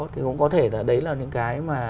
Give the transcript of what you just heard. thì cũng có thể là đấy là những cái mà